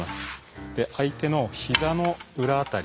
相手の膝の裏辺り。